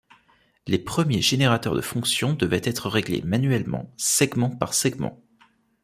Les premiers générateurs de fonction devaient être réglés manuellement, segment par segment.